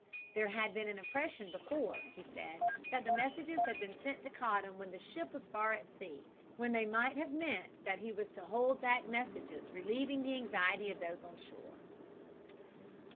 There had been an impression before, he said, that the messages had been sent to Cottam when the ship was far at sea, when they might have meant that he was to hold back messages relieving the anxiety of those on shore.